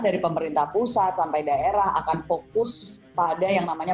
dari pemerintah pusat sampai daerah akan fokus pada yang namanya